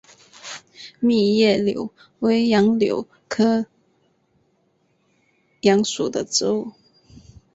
密叶杨为杨柳科杨属的植物。